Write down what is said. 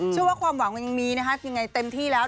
ว่าความหวังมันยังมีนะคะยังไงเต็มที่แล้ว